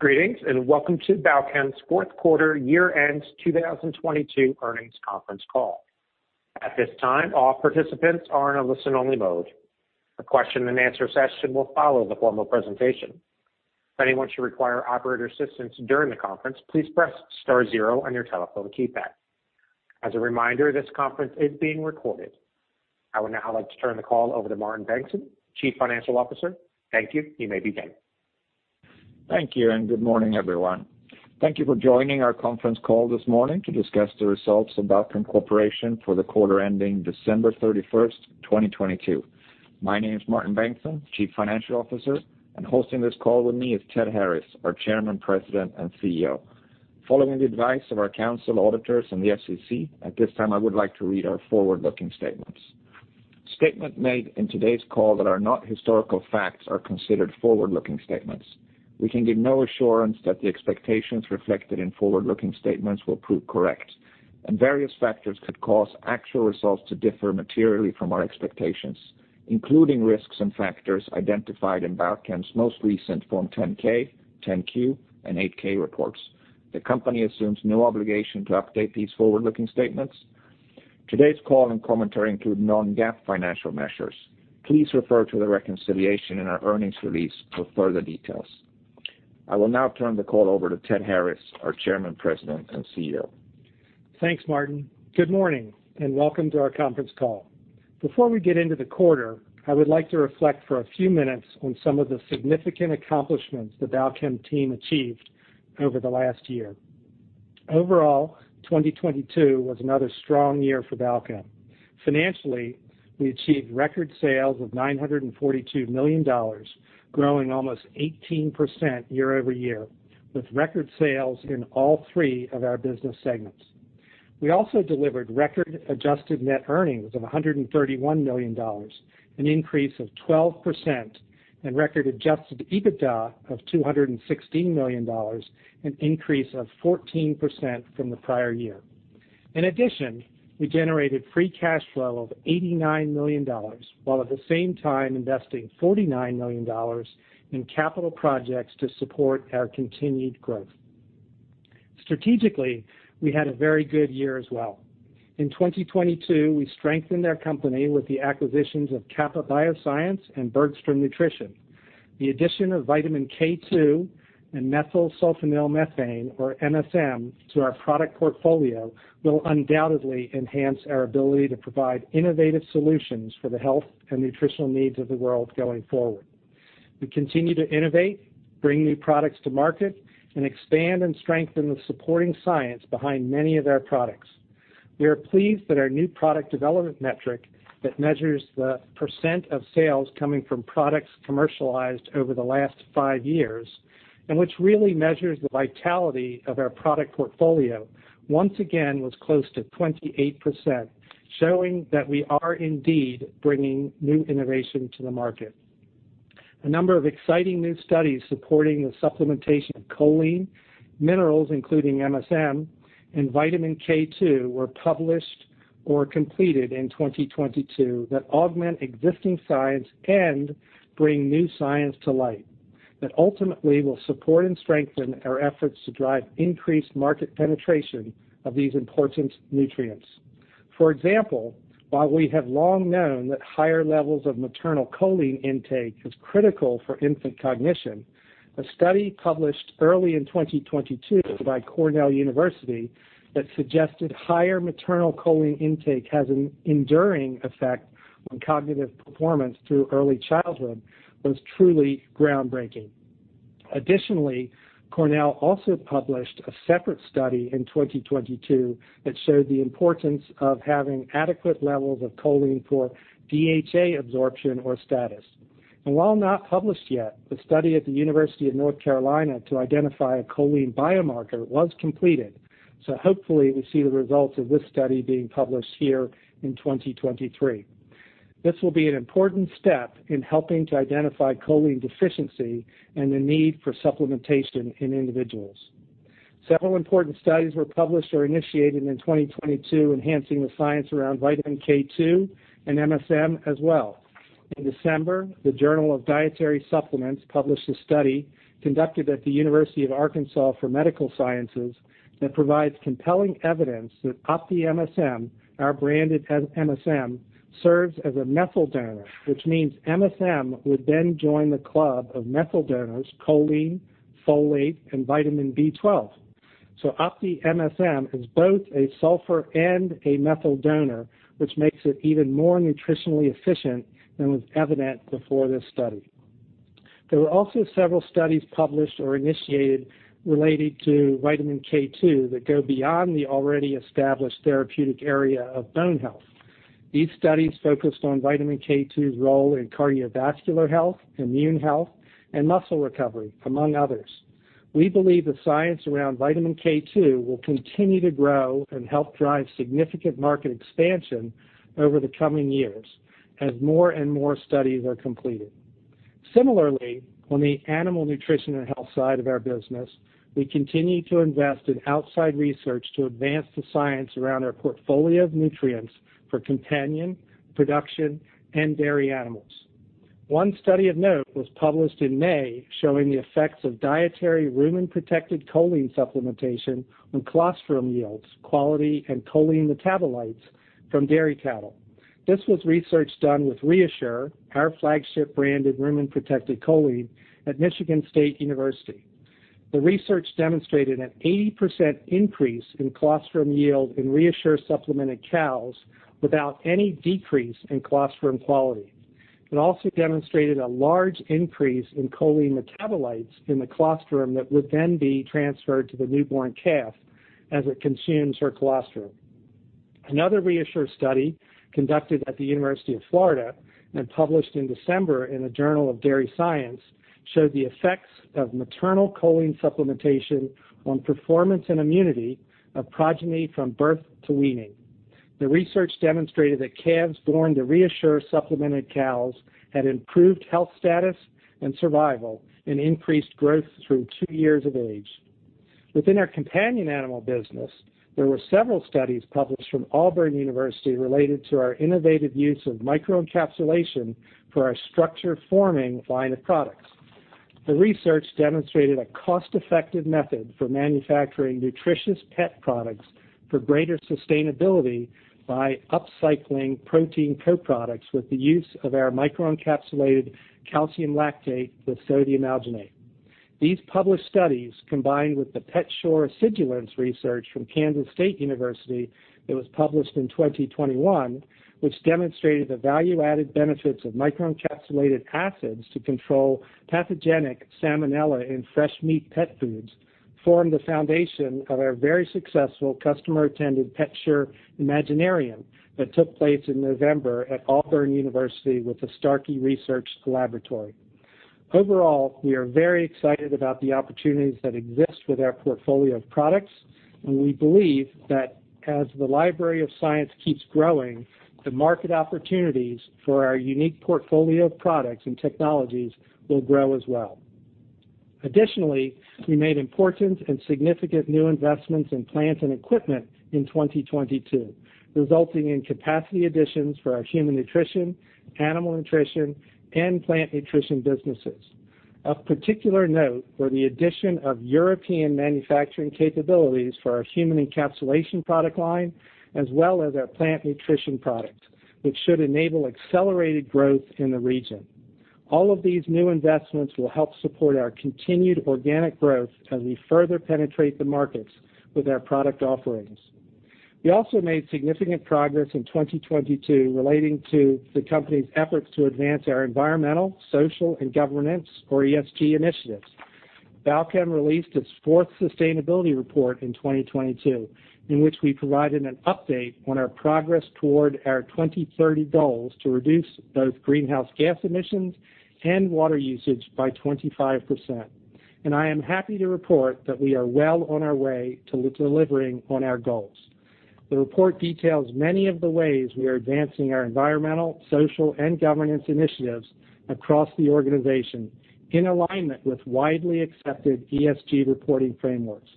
Greetings, and welcome to Balchem's fourth quarter year-end 2022 earnings conference call. At this time, all participants are in a listen-only mode. A question-and-answer session will follow the formal presentation. If anyone should require operator assistance during the conference, please press star 0 on your telephone keypad. As a reminder, this conference is being recorded. I would now like to turn the call over to Martin Bengtsson, Chief Financial Officer. Thank you. You may begin. Thank you, and good morning, everyone. Thank you for joining our conference call this morning to discuss the results of Balchem Corporation for the quarter ending December 31st, 2022. My name is Martin Bengtsson, Chief Financial Officer, and hosting this call with me is Ted Harris, our Chairman, President, and CEO. Following the advice of our council auditors and the SEC, at this time I would like to read our forward-looking statements. Statements made in today's call that are not historical facts are considered forward-looking statements. We can give no assurance that the expectations reflected in forward-looking statements will prove correct, and various factors could cause actual results to differ materially from our expectations, including risks and factors identified in Balchem's most recent form 10-K, 10-Q, and 8-K reports. The company assumes no obligation to update these forward-looking statements. Today's call and commentary include Non-GAAP financial measures. Please refer to the reconciliation in our earnings release for further details. I will now turn the call over to Ted Harris, our Chairman, President, and CEO. Thanks, Martin. Good morning, and welcome to our conference call. Before we get into the quarter, I would like to reflect for a few minutes on some of the significant accomplishments the Balchem team achieved over the last year. Overall, 2022 was another strong year for Balchem. Financially, we achieved record sales of $942 million, growing almost 18% year-over-year, with record sales in all three of our business segments. We also delivered record adjusted net earnings of $131 million, an increase of 12%, and record adjusted EBITDA of $216 million, an increase of 14% from the prior year. In addition, we generated free cash flow of $89 million, while at the same time investing $49 million in capital projects to support our continued growth. Strategically, we had a very good year as well. In 2022, we strengthened our company with the acquisitions of Kappa Bioscience and Bergstrom Nutrition. The addition of vitamin K2 and methylsulfonylmethane, or MSM, to our product portfolio will undoubtedly enhance our ability to provide innovative solutions for the health and nutritional needs of the world going forward. We continue to innovate, bring new products to market, and expand and strengthen the supporting science behind many of our products. We are pleased that our new product development metric that measures the % of sales coming from products commercialized over the last five years, and which really measures the vitality of our product portfolio, once again was close to 28%, showing that we are indeed bringing new innovation to the market. A number of exciting new studies supporting the supplementation of choline, minerals, including MSM, and vitamin K2 were published or completed in 2022 that augment existing science and bring new science to light that ultimately will support and strengthen our efforts to drive increased market penetration of these important nutrients. For example, while we have long known that higher levels of maternal choline intake is critical for infant cognition, a study published early in 2022 by Cornell University that suggested higher maternal choline intake has an enduring effect on cognitive performance through early childhood was truly groundbreaking. Additionally, Cornell also published a separate study in 2022 that showed the importance of having adequate levels of choline for DHA absorption or status. While not published yet, the study at the University of North Carolina to identify a choline biomarker was completed, so hopefully we see the results of this study being published here in 2023. This will be an important step in helping to identify choline deficiency and the need for supplementation in individuals. Several important studies were published or initiated in 2022 enhancing the science around vitamin K2 and MSM as well. In December, the Journal of Dietary Supplements published a study conducted at the University of Arkansas for Medical Sciences that provides compelling evidence that OptiMSM, our branded MSM, serves as a methyl donor, which means MSM would then join the club of methyl donors choline, folate, and vitamin B12. OptiMSM is both a sulfur and a methyl donor, which makes it even more nutritionally efficient than was evident before this study. There were also several studies published or initiated related to vitamin K2 that go beyond the already established therapeutic area of bone health. These studies focused on vitamin K2's role in cardiovascular health, immune health, and muscle recovery, among others. We believe the science around vitamin K2 will continue to grow and help drive significant market expansion over the coming years as more and more studies are completed. Similarly, on the Animal Nutrition and Health side of our business, we continue to invest in outside research to advance the science around our portfolio of nutrients for companion, production, and dairy animals. One study of note was published in May showing the effects of dietary rumen-protected choline supplementation on colostrum yields, quality, and choline metabolites from dairy cattle. This was research done with ReaShure, our flagship brand of rumen-protected choline at Michigan State University. The research demonstrated an 80% increase in colostrum yield in ReaShure supplemented cows without any decrease in colostrum quality. It also demonstrated a large increase in choline metabolites in the colostrum that would then be transferred to the newborn calf as it consumes her colostrum. Another ReaShure study conducted at the University of Florida and published in December in the Journal of Dairy Science, showed the effects of maternal choline supplementation on performance and immunity of progeny from birth to weaning. The research demonstrated that calves born to ReaShure supplemented cows had improved health status and survival, and increased growth through two years of age. Within our companion animal business, there were several studies published from Auburn University related to our innovative use of microencapsulation for our structure-forming line of products. The research demonstrated a cost-effective method for manufacturing nutritious pet products for greater sustainability by upcycling protein co-products with the use of our microencapsulated calcium lactate with sodium alginate. These published studies, combined with the PetShure acidulants research from Kansas State University that was published in 2021, which demonstrated the value-added benefits of microencapsulated acids to control pathogenic Salmonella in fresh meat pet foods, form the foundation of our very successful customer-attended PetShure Imaginarium that took place in November at Auburn University with the Starkey Research Collaboratory. Overall, we are very excited about the opportunities that exist with our portfolio of products, and we believe that as the library of science keeps growing, the market opportunities for our unique portfolio of products and technologies will grow as well. Additionally, we made important and significant new investments in plant and equipment in 2022, resulting in capacity additions for our Human Nutrition, Animal Nutrition, and Plant Nutrition businesses. Of particular note were the addition of European manufacturing capabilities for our human encapsulation product line, as well as our Plant Nutrition product, which should enable accelerated growth in the region. All of these new investments will help support our continued organic growth as we further penetrate the markets with our product offerings. We also made significant progress in 2022 relating to the company's efforts to advance our environmental, social, and governance, or ESG initiatives. Balchem released its fourth sustainability report in 2022, in which we provided an update on our progress toward our 2030 goals to reduce both greenhouse gas emissions and water usage by 25%. I am happy to report that we are well on our way to delivering on our goals. The report details many of the ways we are advancing our environmental, social, and governance initiatives across the organization in alignment with widely accepted ESG reporting frameworks.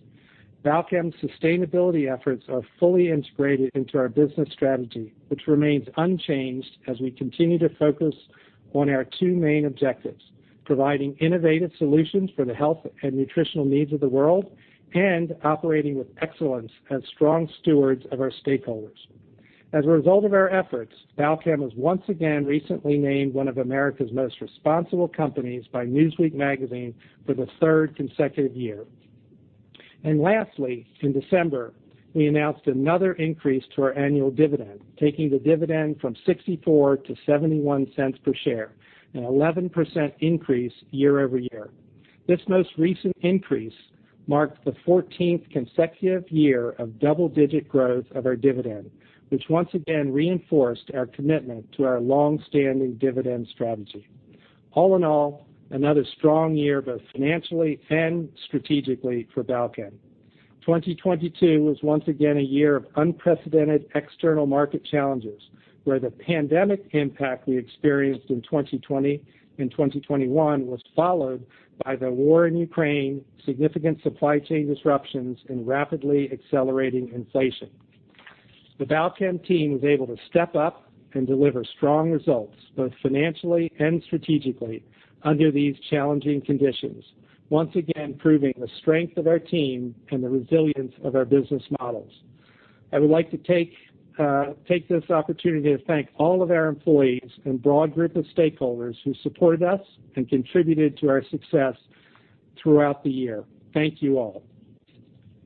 Balchem's sustainability efforts are fully integrated into our business strategy, which remains unchanged as we continue to focus on our two main objectives: providing innovative solutions for the health and nutritional needs of the world, and operating with excellence as strong stewards of our stakeholders. As a result of our efforts, Balchem was once again recently named one of America's most responsible companies by Newsweek Magazine for the third consecutive year. Lastly, in December, we announced another increase to our annual dividend, taking the dividend from $0.64-$0.71 per share, an 11% increase year-over-year. This most recent increase marked the 14th consecutive year of double-digit growth of our dividend, which once again reinforced our commitment to our long-standing dividend strategy. All in all, another strong year, both financially and strategically for Balchem. 2022 was once again a year of unprecedented external market challenges, where the pandemic impact we experienced in 2020 and 2021 was followed by the war in Ukraine, significant supply chain disruptions, and rapidly accelerating inflation. The Balchem team was able to step up and deliver strong results, both financially and strategically under these challenging conditions, once again proving the strength of our team and the resilience of our business models. I would like to take this opportunity to thank all of our employees and broad group of stakeholders who supported us and contributed to our success throughout the year. Thank you all.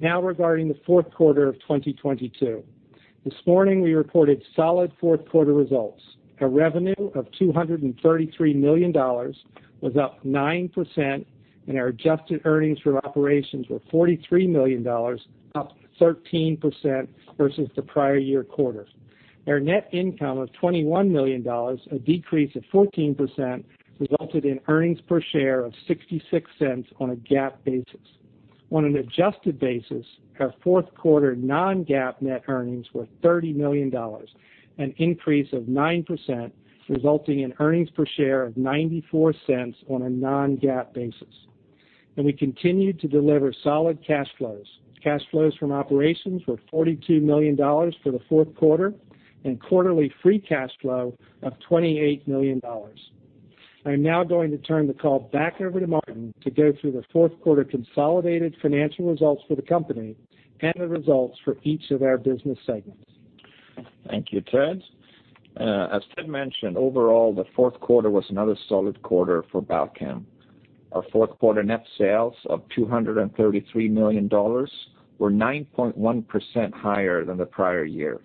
Regarding the fourth quarter of 2022. This morning, we reported solid fourth quarter results. Our revenue of $233 million was up 9%, and our adjusted earnings for operations were $43 million, up 13% versus the prior year quarter. Our net income of $21 million, a decrease of 14%, resulted in earnings per share of $0.66 on a GAAP basis. On an adjusted basis, our fourth quarter Non-GAAP net earnings were $30 million, an increase of 9%, resulting in earnings per share of $0.94 on a Non-GAAP basis. We continued to deliver solid cash flows. Cash flows from operations were $42 million for the fourth quarter and quarterly free cash flow of $28 million. I'm now going to turn the call back over to Martin to go through the fourth quarter consolidated financial results for the company and the results for each of our business segments. Thank you, Ted. As Ted mentioned, overall, the fourth quarter was another solid quarter for Balchem. Our fourth quarter net sales of $233 million were 9.1% higher than the prior year,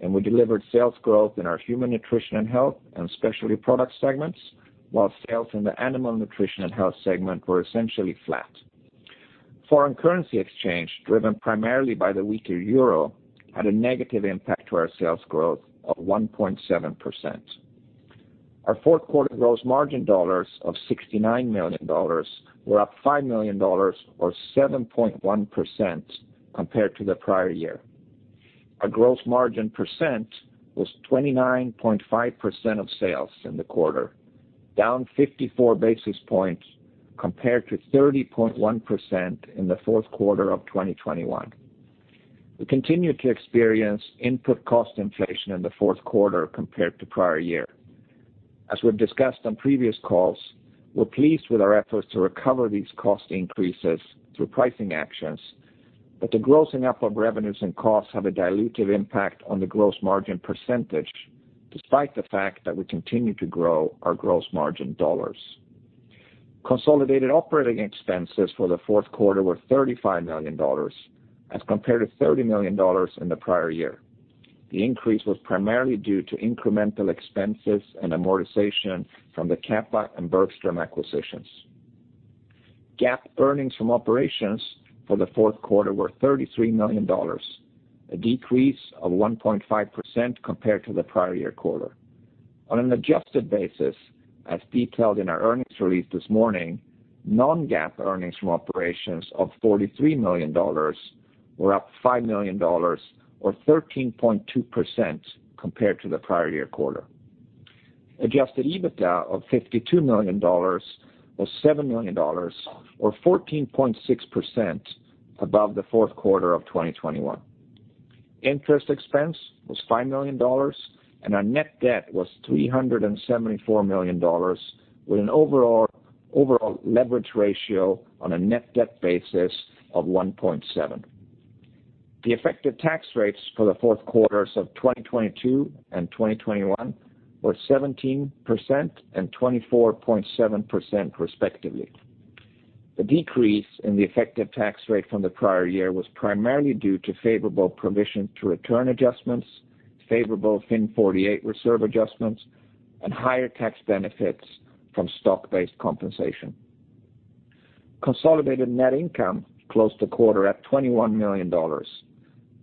and we delivered sales growth in our Human Nutrition and Health and Specialty Products segments, while sales in the Animal Nutrition and Health segment were essentially flat. Foreign currency exchange, driven primarily by the weaker euro, had a negative impact to our sales growth of 1.7%. Our fourth quarter gross margin dollars of $69 million were up $5 million or 7.1% compared to the prior year. Our gross margin percent was 29.5% of sales in the quarter, down 54 basis points compared to 30.1% in the fourth quarter of 2021. We continued to experience input cost inflation in the fourth quarter compared to prior year. As we've discussed on previous calls, we're pleased with our efforts to recover these cost increases through pricing actions, the grossing up of revenues and costs have a dilutive impact on the gross margin %, despite the fact that we continue to grow our gross margin dollars. Consolidated operating expenses for the fourth quarter were $35 million as compared to $30 million in the prior year. The increase was primarily due to incremental expenses and amortization from the Kappa and Bergstrom acquisitions. GAAP earnings from operations for the fourth quarter were $33 million, a decrease of 1.5% compared to the prior year quarter. On an adjusted basis, as detailed in our earnings release this morning, Non-GAAP earnings from operations of $43 million were up $5 million or 13.2% compared to the prior year quarter. Adjusted EBITDA of $52 million was $7 million or 14.6% above the fourth quarter of 2021. Interest expense was $5 million, and our net debt was $374 million, with an overall leverage ratio on a net debt basis of 1.7x. The effective tax rates for the fourth quarters of 2022 and 2021 were 17% and 24.7% respectively. The decrease in the effective tax rate from the prior year was primarily due to favorable provision to return adjustments, favorable FIN 48 reserve adjustments, and higher tax benefits from stock-based compensation. Consolidated net income closed the quarter at $21 million,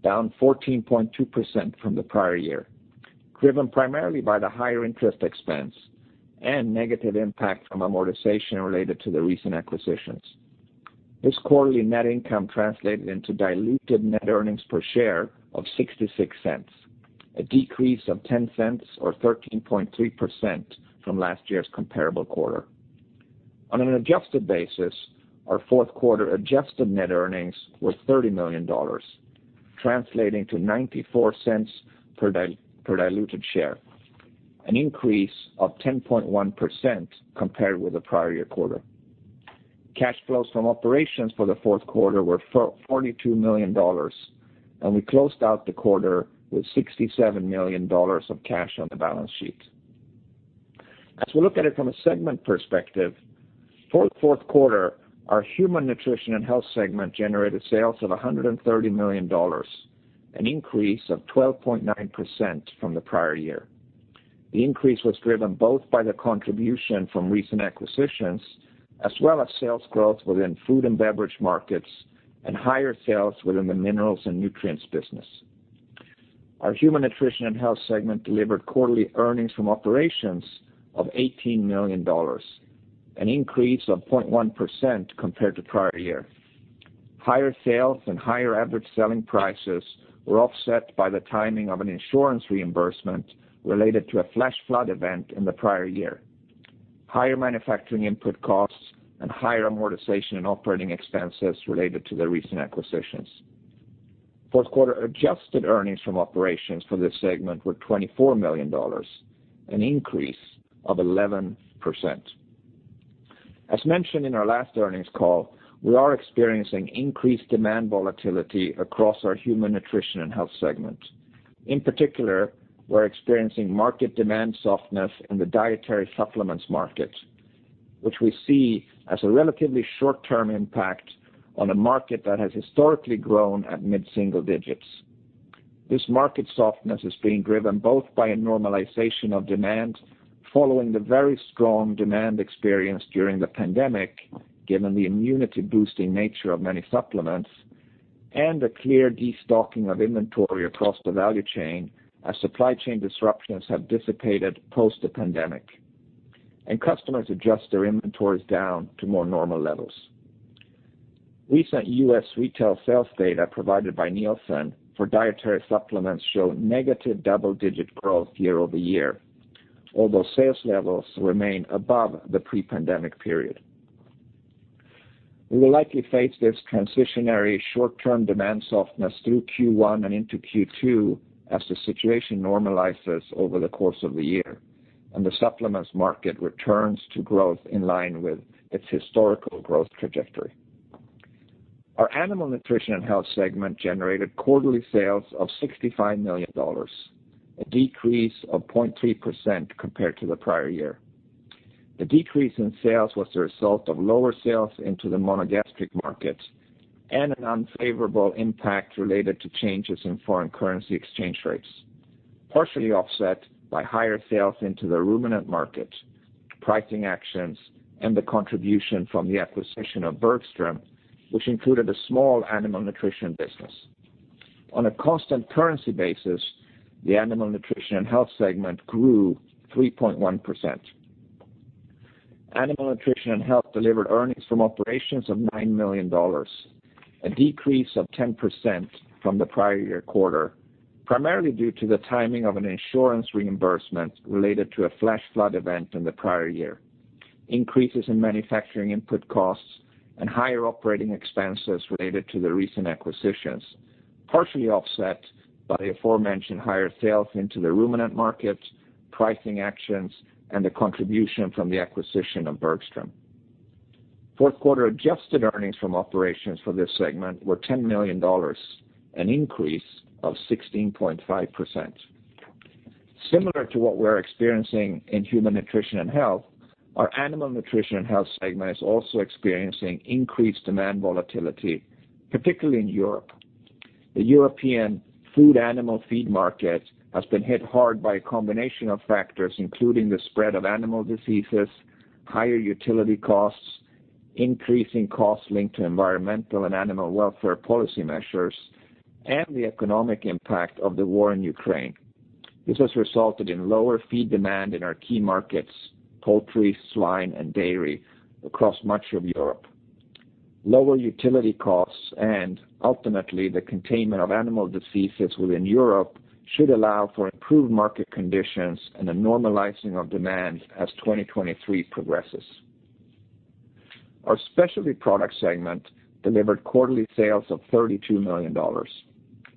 down 14.2% from the prior year, driven primarily by the higher interest expense and negative impact from amortization related to the recent acquisitions. This quarterly net income translated into diluted net earnings per share of $0.66, a decrease of $0.10 or 13.3% from last year's comparable quarter. On an adjusted basis, our fourth quarter adjusted net earnings were $30 million, translating to $0.94 per diluted share, an increase of 10.1% compared with the prior year quarter. Cash flows from operations for the fourth quarter were $42 million, and we closed out the quarter with $67 million of cash on the balance sheet. As we look at it from a segment perspective, for the fourth quarter, our Human Nutrition and Health segment generated sales of $130 million, an increase of 12.9% from the prior year. The increase was driven both by the contribution from recent acquisitions as well as sales growth within food and beverage markets and higher sales within the minerals and nutrients business. Our Human Nutrition and Health segment delivered quarterly earnings from operations of $18 million, an increase of 0.1% compared to prior year. Higher sales and higher average selling prices were offset by the timing of an insurance reimbursement related to a flash flood event in the prior year, higher manufacturing input costs, and higher amortization and operating expenses related to the recent acquisitions. Fourth quarter adjusted earnings from operations for this segment were $24 million, an increase of 11%. As mentioned in our last earnings call, we are experiencing increased demand volatility across our Human Nutrition and Health segment. In particular, we're experiencing market demand softness in the dietary supplements market, which we see as a relatively short-term impact on a market that has historically grown at mid-single digits. This market softness is being driven both by a normalization of demand following the very strong demand experience during the pandemic, given the immunity-boosting nature of many supplements, and a clear destocking of inventory across the value chain as supply chain disruptions have dissipated post the pandemic, and customers adjust their inventories down to more normal levels. Recent U.S. retail sales data provided by Nielsen for dietary supplements show negative double-digit growth year-over-year, although sales levels remain above the pre-pandemic period. We will likely face this transitionary short-term demand softness through Q1 and into Q2 as the situation normalizes over the course of the year, and the supplements market returns to growth in line with its historical growth trajectory. Our Animal Nutrition and Health segment generated quarterly sales of $65 million, a decrease of 0.3% compared to the prior year. The decrease in sales was the result of lower sales into the monogastric market and an unfavorable impact related to changes in foreign currency exchange rates, partially offset by higher sales into the ruminant market, pricing actions, and the contribution from the acquisition of Bergstrom, which included a small animal nutrition business. On a constant currency basis, the Animal Nutrition and Health segment grew 3.1%. Animal Nutrition and Health delivered earnings from operations of $9 million, a decrease of 10% from the prior year quarter, primarily due to the timing of an insurance reimbursement related to a flash flood event in the prior year. Increases in manufacturing input costs and higher operating expenses related to the recent acquisitions, partially offset by the aforementioned higher sales into the ruminant market, pricing actions, and the contribution from the acquisition of Bergstrom. Fourth quarter adjusted earnings from operations for this segment were $10 million, an increase of 16.5%. Similar to what we're experiencing in Human Nutrition and Health, our Animal Nutrition and Health segment is also experiencing increased demand volatility, particularly in Europe. The European food animal feed market has been hit hard by a combination of factors, including the spread of animal diseases, higher utility costs, increasing costs linked to environmental and animal welfare policy measures, and the economic impact of the war in Ukraine. This has resulted in lower feed demand in our key markets, poultry, swine, and dairy across much of Europe. Lower utility costs and ultimately the containment of animal diseases within Europe should allow for improved market conditions and a normalizing of demand as 2023 progresses. Our Specialty Products segment delivered quarterly sales of $32 million,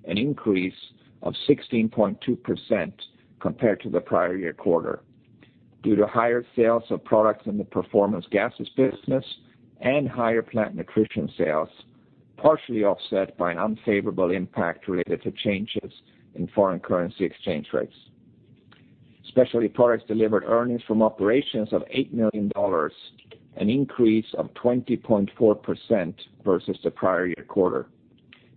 an increase of 16.2% compared to the prior year quarter due to higher sales of products in the Performance Gases business and higher Plant Nutrition sales, partially offset by an unfavorable impact related to changes in foreign currency exchange rates. Specialty Products delivered earnings from operations of $8 million, an increase of 20.4% versus the prior year quarter.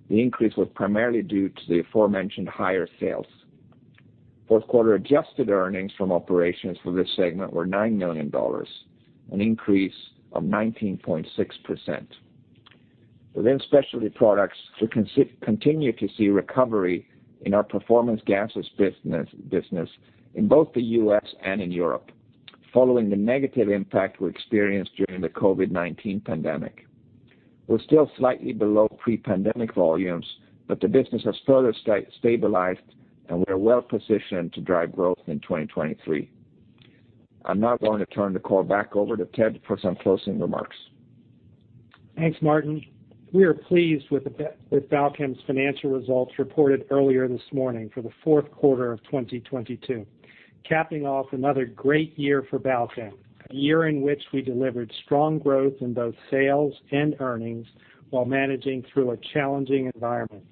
The increase was primarily due to the aforementioned higher sales. Fourth quarter adjusted earnings from operations for this segment were $9 million, an increase of 19.6%. Within Specialty Products, we continue to see recovery in our Performance Gases business in both the U.S. and in Europe following the negative impact we experienced during the COVID-19 pandemic. We're still slightly below pre-pandemic volumes, but the business has further stabilized, and we are well positioned to drive growth in 2023. I'm now going to turn the call back over to Ted for some closing remarks. Thanks, Martin. We are pleased with Balchem's financial results reported earlier this morning for the fourth quarter of 2022, capping off another great year for Balchem, a year in which we delivered strong growth in both sales and earnings while managing through a challenging environment.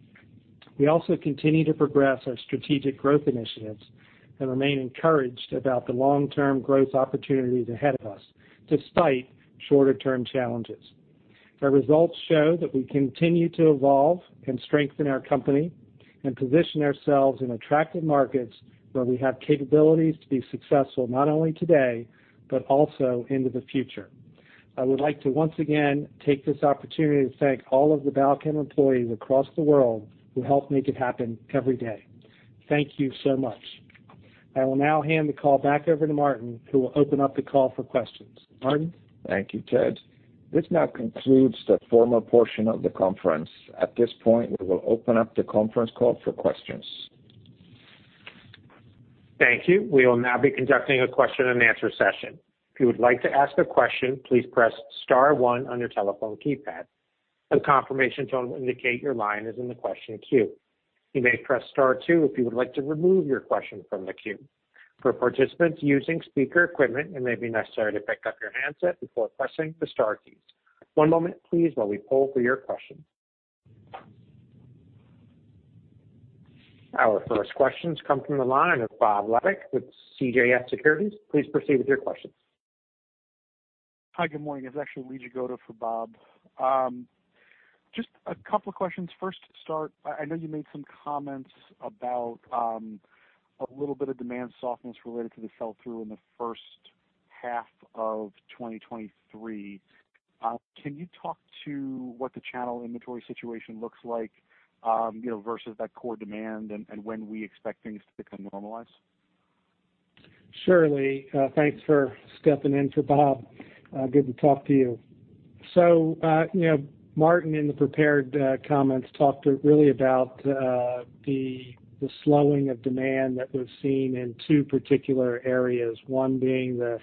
We also continue to progress our strategic growth initiatives and remain encouraged about the long-term growth opportunities ahead of us, despite shorter-term challenges. Our results show that we continue to evolve and strengthen our company and position ourselves in attractive markets where we have capabilities to be successful not only today, but also into the future. I would like to once again take this opportunity to thank all of the Balchem employees across the world who help make it happen every day. Thank you so much. I will now hand the call back over to Martin, who will open up the call for questions. Martin? Thank you, Ted. This now concludes the formal portion of the conference. At this point, we will open up the conference call for questions. Thank you. We will now be conducting a question and answer session. If you would like to ask a question, please press star one on your telephone keypad. A confirmation tone will indicate your line is in the question queue. You may press star two if you would like to remove your question from the queue. For participants using speaker equipment, it may be necessary to pick up your handset before pressing the star keys. One moment please while we poll for your questions. Our first questions come from the line of Bob Labick with CJS Securities. Please proceed with your questions. Hi, good morning. It's actually Lee Jagoda for Bob. Just a couple of questions. First to start, I know you made some comments about a little bit of demand softness related to the sell-through in the first half of 2023. Can you talk to what the channel inventory situation looks like, you know, versus that core demand and when we expect things to become normalized? Surely. Thanks for stepping in for Bob. Good to talk to you. You know, Martin, in the prepared comments, talked really about the slowing of demand that we're seeing in two particular areas, one being the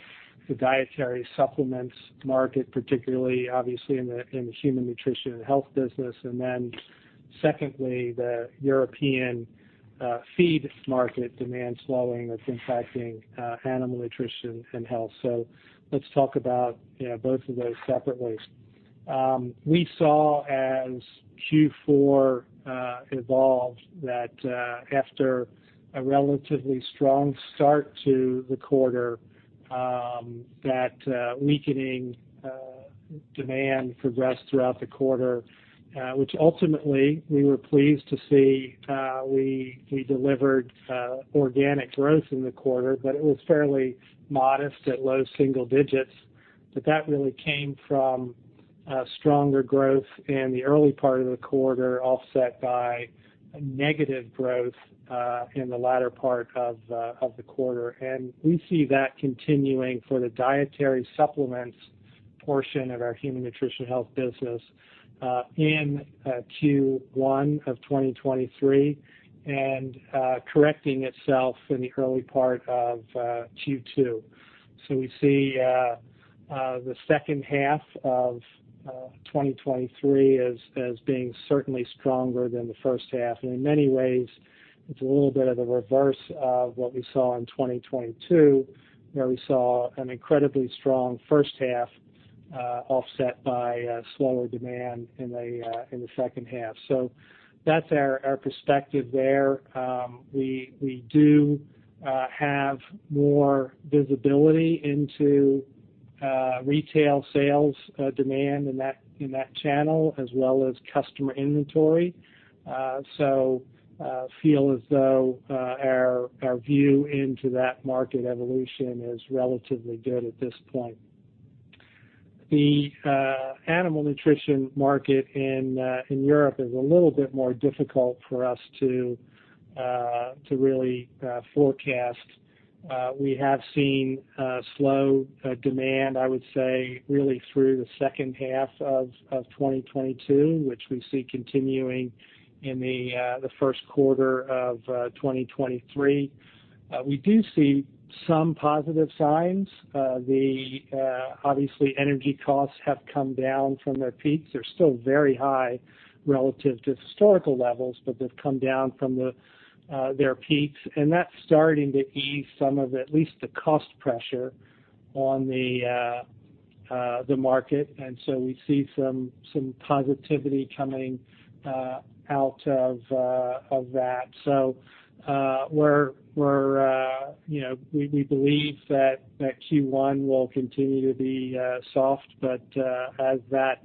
dietary supplements market, particularly obviously in the Human Nutrition and Health business. Secondly, the European feed market demand slowing that's impacting Animal Nutrition and Health. Let's talk about, you know, both of those separately. We saw as Q4 evolved that after a relatively strong start to the quarter, that weakening demand progressed throughout the quarter, which ultimately we were pleased to see, we delivered organic growth in the quarter, but it was fairly modest at low single digits. That really came from stronger growth in the early part of the quarter, offset by negative growth in the latter part of the quarter. We see that continuing for the dietary supplements portion of our Human Nutrition and Health business in Q1 of 2023, and correcting itself in the early part of Q2. We see the second half of 2023 as being certainly stronger than the first half. In many ways, it's a little bit of the reverse of what we saw in 2022, where we saw an incredibly strong first half, offset by slower demand in the second half. That's our perspective there. We do have more visibility into retail sales demand in that channel as well as customer inventory. Feel as though our view into that market evolution is relatively good at this point. The Animal Nutrition market in Europe is a little bit more difficult for us to really forecast. We have seen slow demand, I would say really through the second half of 2022, which we see continuing in the first quarter of 2023. We do see some positive signs. The obviously, energy costs have come down from their peaks. They're still very high relative to historical levels, but they've come down from their peaks. That's starting to ease some of at least the cost pressure on the market. We see some positivity coming out of that. We're, you know, we believe that Q1 will continue to be soft. As that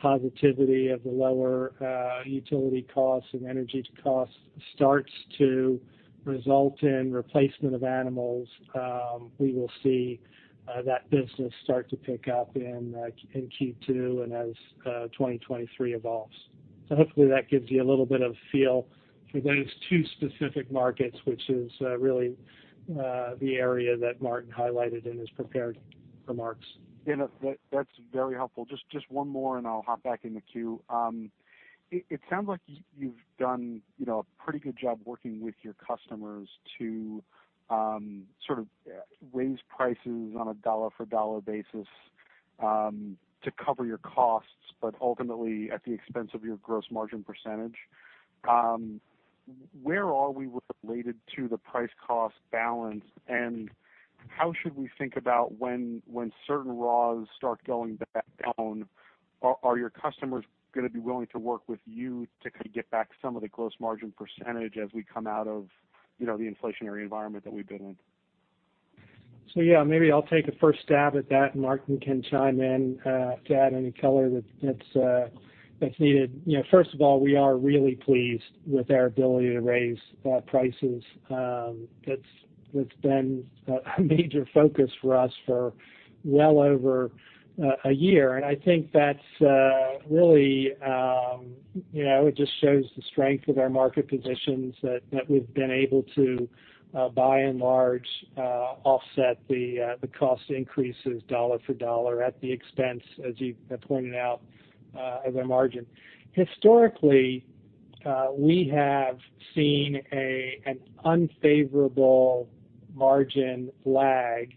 positivity of the lower utility costs and energy costs starts to result in replacement of animals, we will see that business start to pick up in Q2 and as 2023 evolves. Hopefully that gives you a little bit of a feel for those two specific markets, which is really the area that Martin highlighted in his prepared remarks. Yeah. No, that's very helpful. Just one more, and I'll hop back in the queue. It sounds like you've done, you know, a pretty good job working with your customers to sort of raise prices on a dollar-for-dollar basis, to cover your costs, but ultimately at the expense of your gross margin percentage. Where are we related to the price cost balance, and how should we think about when certain raws start going back down, are your customers gonna be willing to work with you to kind of get back some of the gross margin percentage as we come out of, you know, the inflationary environment that we've been in? Yeah, maybe I'll take a first stab at that, and Martin can chime in, to add any color that's, that's needed. You know, first of all, we are really pleased with our ability to raise prices. That's been a major focus for us for well over a year. I think that's, really, you know, it just shows the strength of our market positions that we've been able to, by and large, offset the cost increases dollar for dollar at the expense, as you pointed out, of our margin. Historically, we have seen an unfavorable margin lag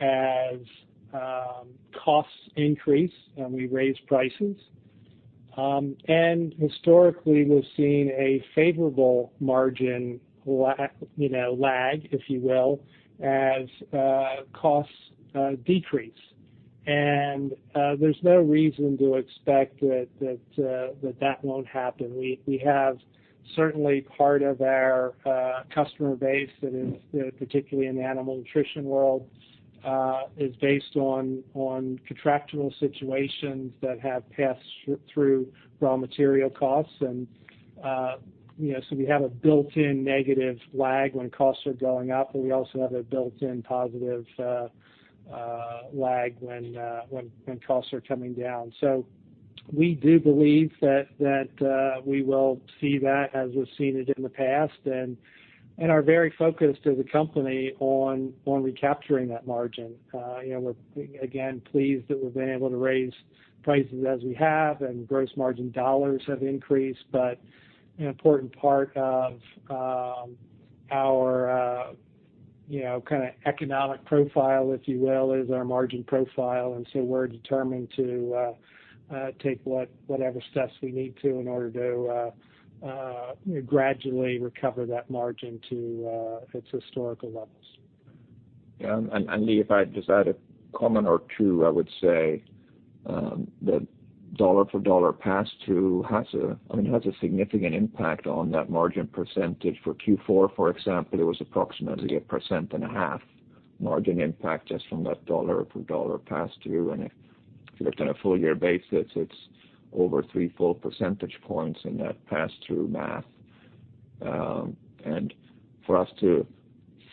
as costs increase and we raise prices. And historically, we've seen a favorable margin, you know, lag, if you will, as costs decrease. There's no reason to expect that that won't happen. We have certainly part of our customer base that is particularly in the animal nutrition world is based on contractual situations that have passed through raw material costs. You know, so we have a built-in negative lag when costs are going up, and we also have a built-in positive lag when costs are coming down. We do believe that we will see that as we've seen it in the past and are very focused as a company on recapturing that margin. You know, we're, again, pleased that we've been able to raise prices as we have, and gross margin dollars have increased. An important part of, you know, kinda economic profile, if you will, is our margin profile. We're determined to take whatever steps we need to in order to, you know, gradually recover that margin to its historical levels. Lee, if I just add a comment or two, I would say, I mean, that dollar for dollar pass-through has a significant impact on that margin percentage. For Q4, for example, it was approximately a 1.5% margin impact just from that dollar for dollar pass-through. If you looked on a full year basis, it's over 3 full percentage points in that pass-through math. For us to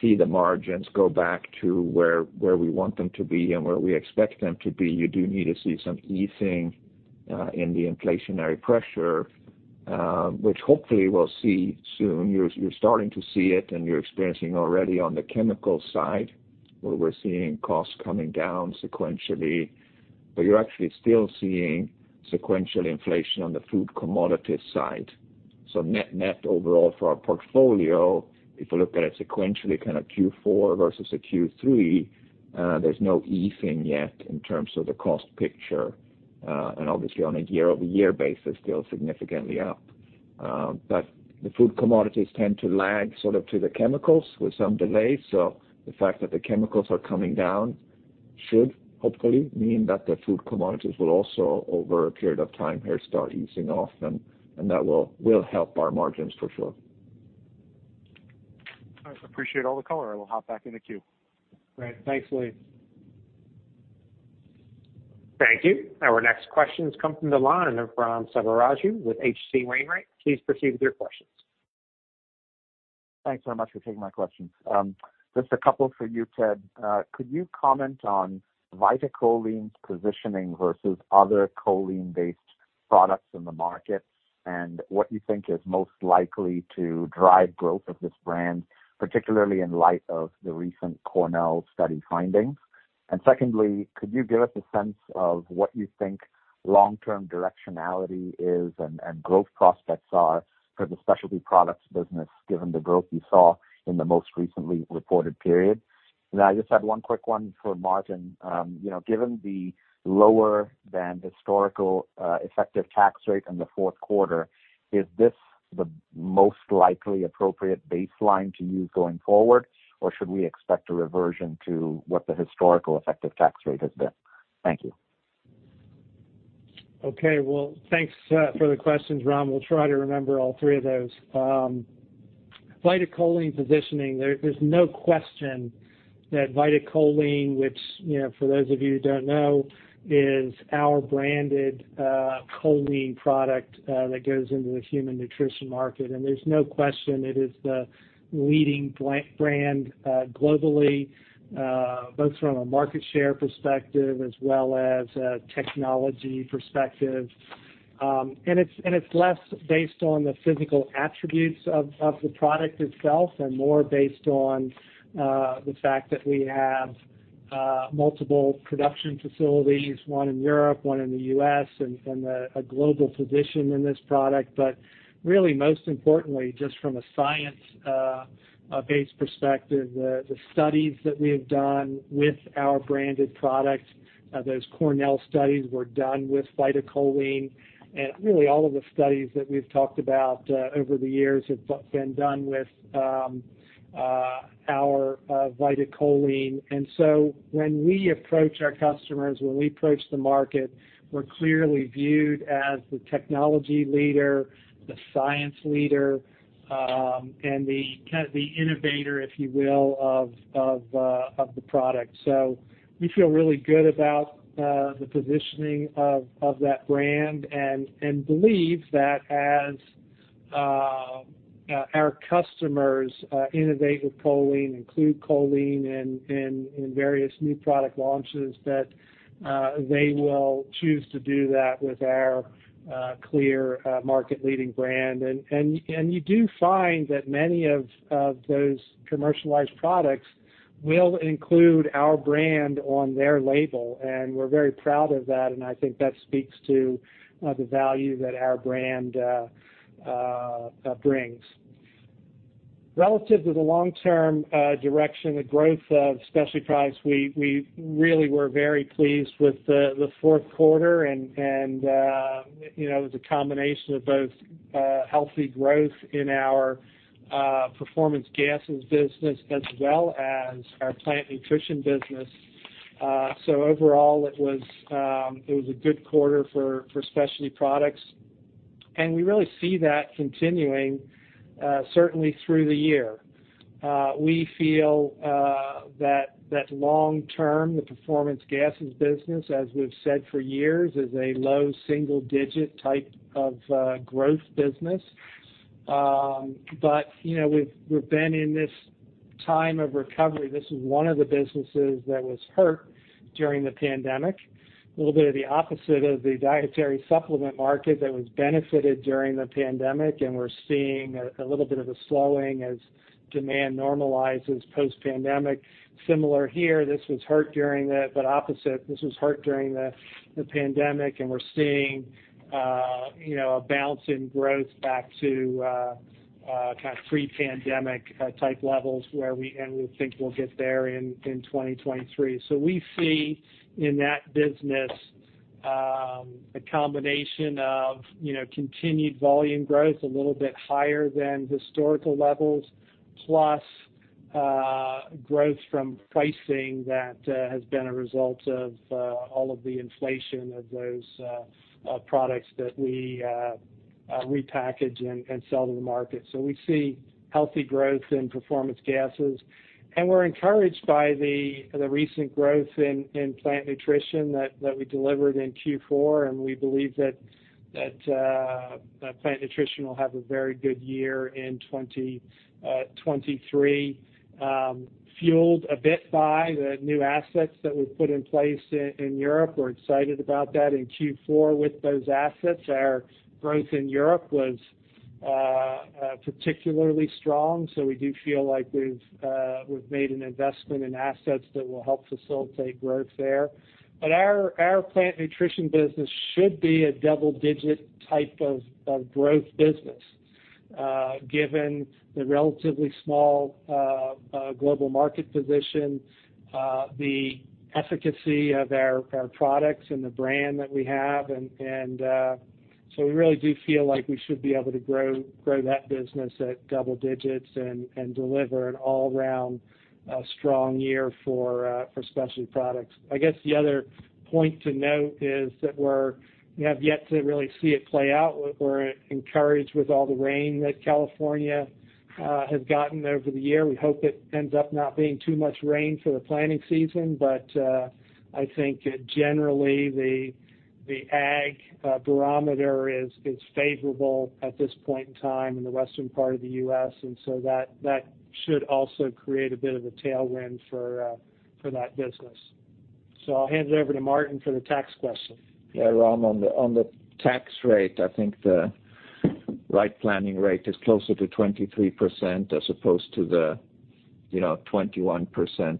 see the margins go back to where we want them to be and where we expect them to be, you do need to see some easing in the inflationary pressure, which hopefully we'll see soon. You're starting to see it, and you're experiencing already on the chemical side, where we're seeing costs coming down sequentially. You're actually still seeing sequential inflation on the food commodity side. Net-net overall for our portfolio, if you look at it sequentially, kind of Q4 versus a Q3, there's no easing yet in terms of the cost picture. Obviously on a year-over-year basis, still significantly up. The food commodities tend to lag sort of to the chemicals with some delay. The fact that the chemicals are coming down should hopefully mean that the food commodities will also, over a period of time here, start easing off, and that will help our margins for sure. All right. Appreciate all the color. I will hop back in the queue. Great. Thanks, Lee. Thank you. Our next question comes from the line of Ram Selvaraju with H.C. Wainwright & Co. Please proceed with your questions. Thanks so much for taking my questions. Just a couple for you, Ted. Could you comment on VitaCholine's positioning versus other choline-based products in the market, and what you think is most likely to drive growth of this brand, particularly in light of the recent Cornell study findings? Secondly, could you give us a sense of what you think long-term directionality is and growth prospects are for the Specialty Products business, given the growth you saw in the most recently reported period? I just had one quick one for Martin. You know, given the lower than historical effective tax rate in the fourth quarter, is this the most likely appropriate baseline to use going forward, or should we expect a reversion to what the historical effective tax rate has been? Thank you. Okay. Well, thanks for the questions, Ram. We'll try to remember all three of those. VitaCholine positioning. There's no question that VitaCholine, which, you know, for those of you who don't know, is our branded choline product that goes into the human nutrition market. There's no question it is the leading brand globally both from a market share perspective as well as a technology perspective. And it's less based on the physical attributes of the product itself and more based on the fact that we have multiple production facilities, one in Europe, one in the U.S. and a global position in this product. Really most importantly, just from a science based perspective, the studies that we have done with our branded product, those Cornell studies were done with VitaCholine. Really all of the studies that we've talked about over the years have been done with our VitaCholine. When we approach our customers, when we approach the market, we're clearly viewed as the technology leader, the science leader, and the kind of the innovator, if you will, of the product. We feel really good about the positioning of that brand and believe that as our customers innovate with choline, include choline in various new product launches, that they will choose to do that with our clear market-leading brand. You do find that many of those commercialized products will include our brand on their label, and we're very proud of that. I think that speaks to the value that our brand brings. Relative to the long-term direction and growth of Specialty Products, we really were very pleased with the fourth quarter. You know, it was a combination of both healthy growth in our Performance Gases business as well as our Plant Nutrition business. Overall it was a good quarter for Specialty Products. We really see that continuing certainly through the year. We feel that long term, the Performance Gases business, as we've said for years, is a low single digit type of growth business. You know, we've been in this time of recovery. This is one of the businesses that was hurt during the pandemic. A little bit of the opposite of the dietary supplement market that was benefited during the pandemic, and we're seeing a little bit of a slowing as demand normalizes post-pandemic. Similar here, this was hurt during the but opposite. This was hurt during the pandemic, and we're seeing you know, a bounce in growth back to kind of pre-pandemic type levels where we and we think we'll get there in 2023. We see in that business a combination of, you know, continued volume growth, a little bit higher than historical levels, plus growth from pricing that has been a result of all of the inflation of those products that we repackage and sell to the market. We see healthy growth in Performance Gases, and we're encouraged by the recent growth in Plant Nutrition that we delivered in Q4. We believe that Plant Nutrition will have a very good year in 2023, fueled a bit by the new assets that we've put in place in Europe. We're excited about that. In Q4 with those assets, our growth in Europe was particularly strong, so we do feel like we've made an investment in assets that will help facilitate growth there. Our Plant Nutrition business should be a double-digit type of growth business, given the relatively small global market position, the efficacy of our products and the brand that we have. We really do feel like we should be able to grow that business at double digits and deliver an all-around strong year for Specialty Products. I guess the other point to note is that we have yet to really see it play out. We're encouraged with all the rain that California has gotten over the year. We hope it ends up not being too much rain for the planting season. I think generally, the ag barometer is favorable at this point in time in the Western part of the U.S. That should also create a bit of a tailwind for that business. I'll hand it over to Martin for the tax question. Yeah, Ram, on the tax rate, I think the right planning rate is closer to 23% as opposed to the, you know, 21%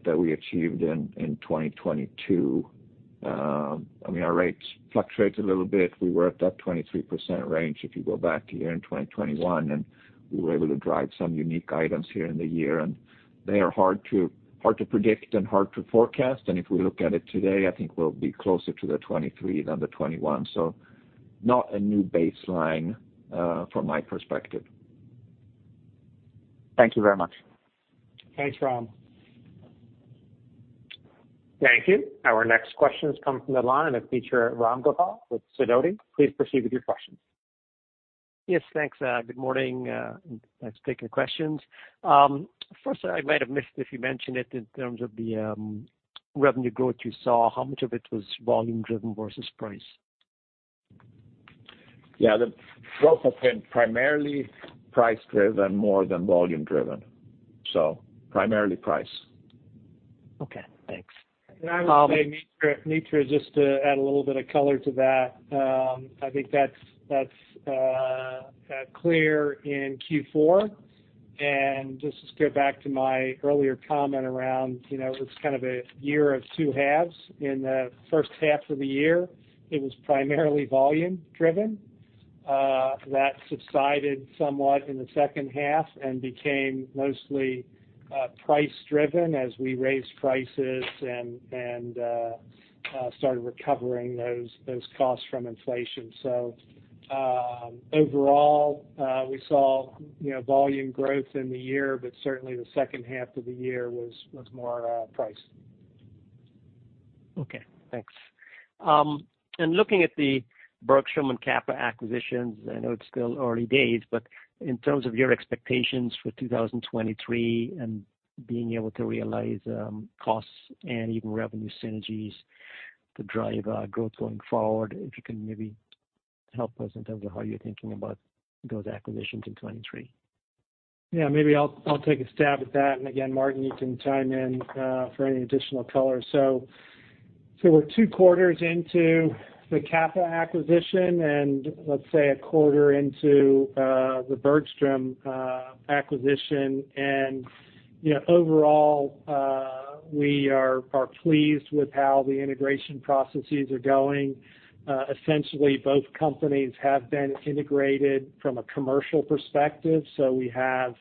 that we achieved in 2022. I mean, our rates fluctuate a little bit. We were at that 23% range if you go back to year-end 2021, and we were able to drive some unique items here in the year. They are hard to predict and hard to forecast. If we look at it today, I think we'll be closer to the 23% than the 21%. Not a new baseline from my perspective. Thank you very much. Thanks, Ram. Thank you. Our next question comes from the line of Mitra Ramgopal with Sidoti. Please proceed with your question. Yes, thanks. Good morning, thanks for taking the questions. First, I might have missed if you mentioned it in terms of the revenue growth you saw, how much of it was volume driven versus price? Yeah. The growth has been primarily price driven more than volume driven, primarily price. Okay, thanks. I would say, Mitra, just to add a little bit of color to that, I think that's clear in Q4. Just to go back to my earlier comment around, you know, it was kind of a year of two halves. In the first half of the year, it was primarily volume driven. That subsided somewhat in the second half and became mostly price driven as we raised prices and started recovering those costs from inflation. Overall, we saw, you know, volume growth in the year, but certainly the second half of the year was more price. Thanks. Looking at the Bergstrom and Kappa acquisitions, I know it's still early days, but in terms of your expectations for 2023 and being able to realize costs and even revenue synergies to drive growth going forward, if you can maybe help us in terms of how you're thinking about those acquisitions in 2023. Yeah, maybe I'll take a stab at that. Again, Martin, you can chime in for any additional color. we're two quarters into the Kappa acquisition and let's say a quarter into the Bergstrom acquisition. you know, overall, we are pleased with how the integration processes are going. Essentially, both companies have been integrated from a commercial perspective. We have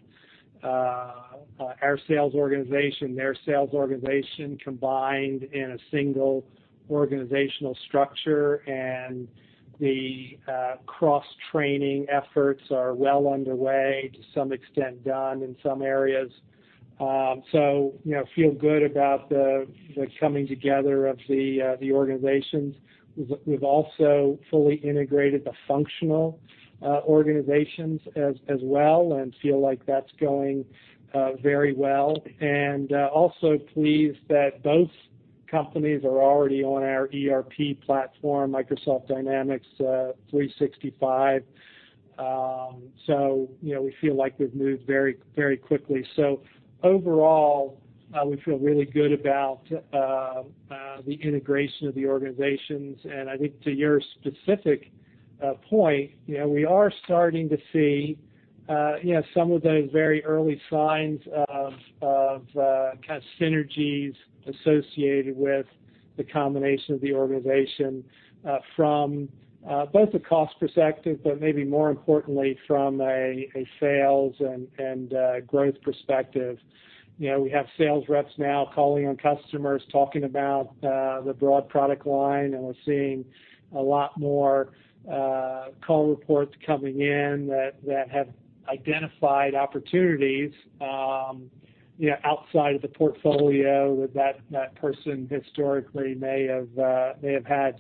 our sales organization, their sales organization combined in a single organizational structure. The cross-training efforts are well underway, to some extent done in some areas. you know, feel good about the coming together of the organizations. We've also fully integrated the functional organizations as well and feel like that's going very well. Also pleased that both companies are already on our ERP platform, Microsoft Dynamics 365. You know, we feel like we've moved very, very quickly. Overall, we feel really good about the integration of the organizations. I think to your specific point, you know, we are starting to see, you know, some of those very early signs of kind of synergies associated with the combination of the organization, from both a cost perspective, but maybe more importantly from a sales and, growth perspective. You know, we have sales reps now calling on customers, talking about the broad product line, and we're seeing a lot more call reports coming in that have identified opportunities, you know, outside of the portfolio that person historically may have had.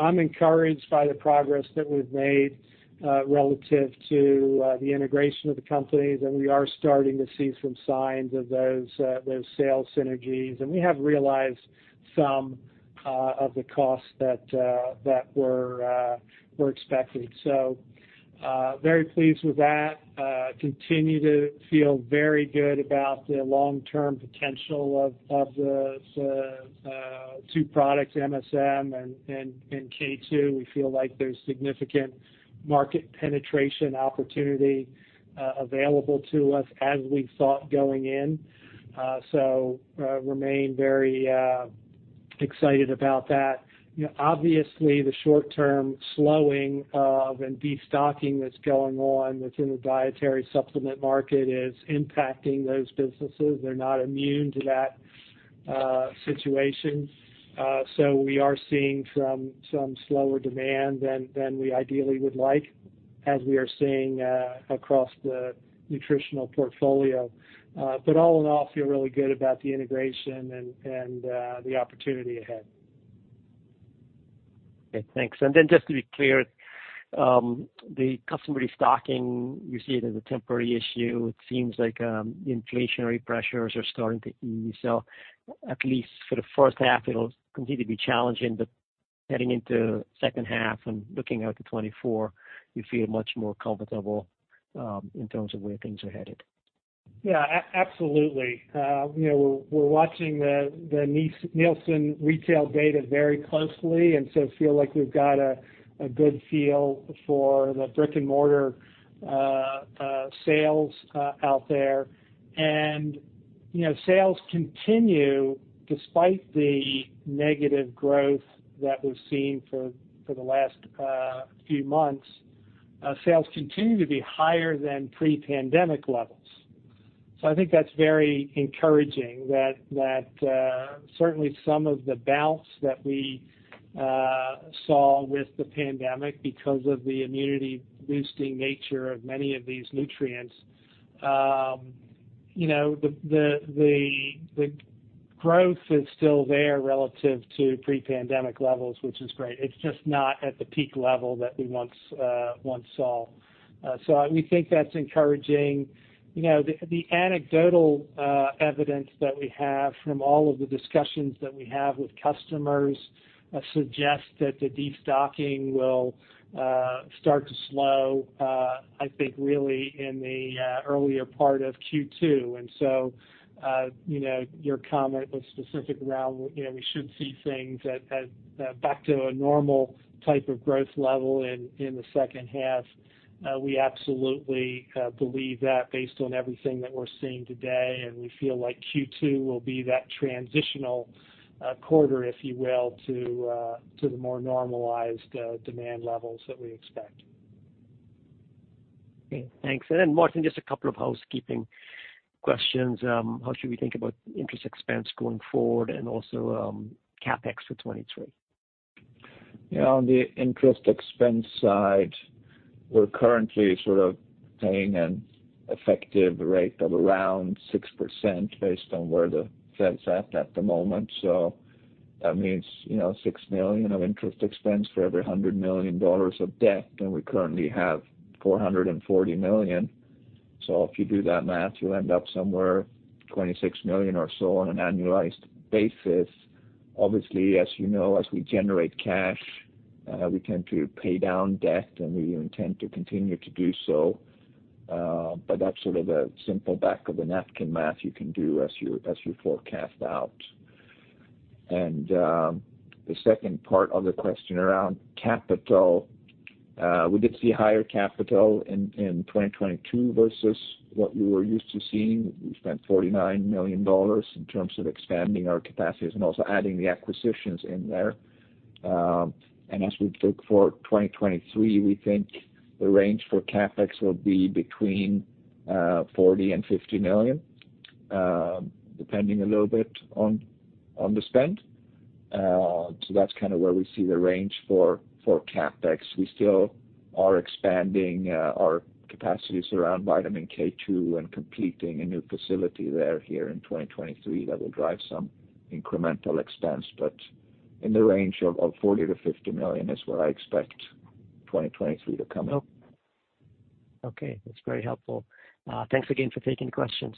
I'm encouraged by the progress that we've made relative to the integration of the companies, and we are starting to see some signs of those sales synergies. We have realized some of the costs that were expected. Very pleased with that. Continue to feel very good about the long-term potential of the two products, MSM and K2. We feel like there's significant market penetration opportunity available to us as we thought going in. Remain very excited about that. You know, obviously, the short term slowing of and destocking that's going on that's in the dietary supplement market is impacting those businesses. They're not immune to that situation. We are seeing some slower demand than we ideally would like, as we are seeing across the nutritional portfolio. All in all, feel really good about the integration and the opportunity ahead. Okay, thanks. Just to be clear, the customer restocking, you see it as a temporary issue. It seems like, the inflationary pressures are starting to ease. At least for the first half, it'll continue to be challenging, but heading into second half and looking out to 2024, you feel much more comfortable, in terms of where things are headed. Yeah, absolutely. You know, we're watching the NielsenIQ retail data very closely, feel like we've got a good feel for the brick-and-mortar sales out there. You know, sales continue despite the negative growth that we've seen for the last few months. Sales continue to be higher than pre-pandemic levels. I think that's very encouraging that certainly some of the bounce that we saw with the pandemic because of the immunity boosting nature of many of these nutrients, you know, the growth is still there relative to pre-pandemic levels, which is great. It's just not at the peak level that we once saw. We think that's encouraging. You know, the anecdotal evidence that we have from all of the discussions that we have with customers, suggest that the destocking will start to slow, I think really in the earlier part of Q2. You know, your comment was specific around, you know, we should see things at back to a normal type of growth level in the second half. We absolutely believe that based on everything that we're seeing today, and we feel like Q2 will be that transitional quarter, if you will, to the more normalized demand levels that we expect. Okay, thanks. Martin, just a couple of housekeeping questions. How should we think about interest expense going forward and also, CapEx for 2023? On the interest expense side, we're currently sort of paying an effective rate of around 6% based on where the Fed's at the moment. That means, you know, $6 million of interest expense for every $100 million of debt, and we currently have $440 million. If you do that math, you'll end up somewhere $26 million or so on an annualized basis. Obviously, as you know, as we generate cash, we tend to pay down debt, and we intend to continue to do so. That's sort of a simple back of the napkin math you can do as you, as you forecast out. The second part of the question around capital, we did see higher capital in 2022 versus what we were used to seeing. We spent $49 million in terms of expanding our capacities and also adding the acquisitions in there. As we look for 2023, we think the range for CapEx will be between $40 million and $50 million, depending a little bit on the spend. That's kinda where we see the range for CapEx. We still are expanding our capacities around vitamin K2 and completing a new facility there here in 2023 that will drive some incremental expense, but in the range of $40 million-$50 million is what I expect 2023 to come in. Okay, that's very helpful. Thanks again for taking questions.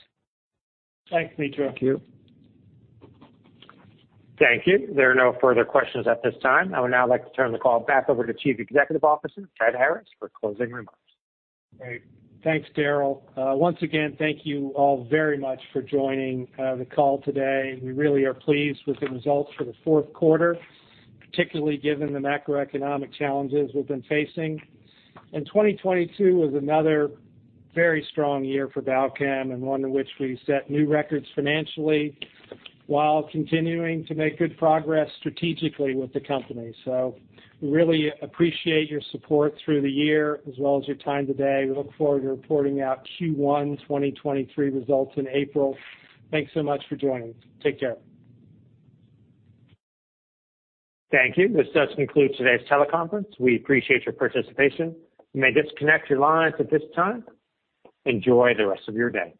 Thanks, Mitra. Thank you. Thank you. There are no further questions at this time. I would now like to turn the call back over to Chief Executive Officer, Ted Harris, for closing remarks. Great. Thanks, Daryl. Once again, thank you all very much for joining the call today. We really are pleased with the results for the fourth quarter, particularly given the macroeconomic challenges we've been facing. 2022 was another very strong year for Balchem and one in which we set new records financially while continuing to make good progress strategically with the company. We really appreciate your support through the year as well as your time today. We look forward to reporting out Q1 2023 results in April. Thanks so much for joining. Take care. Thank you. This does conclude today's teleconference. We appreciate your participation. You may disconnect your lines at this time. Enjoy the rest of your day.